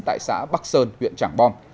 tại xã bắc sơn huyện trảng bom